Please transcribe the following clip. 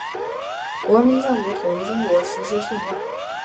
国民政府统一中国，实施训政。